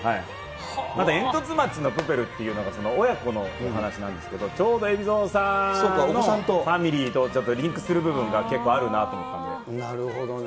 またえんとつ町のプペルっていうのが、親子の話なんですけど、ちょうど海老蔵さんのファミリーとリンクする部分が結構あるなとなるほどね。